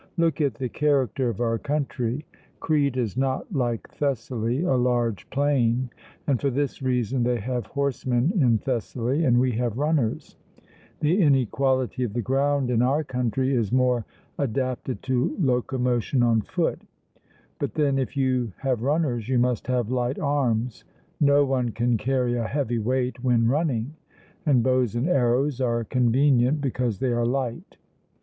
Look at the character of our country: Crete is not like Thessaly, a large plain; and for this reason they have horsemen in Thessaly, and we have runners the inequality of the ground in our country is more adapted to locomotion on foot; but then, if you have runners you must have light arms no one can carry a heavy weight when running, and bows and arrows are convenient because they are light.